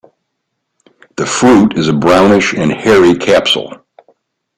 The fruit is a brownish and hairy capsule.